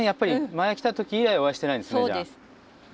前来た時以来お会いしてないんですねじゃあ。